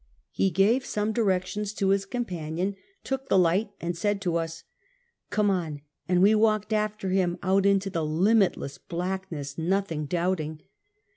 He gave some directions to liis companion, took the liglit and said to ns: " Come on," and we walked after him out into the limitless blackness, nothing doubting.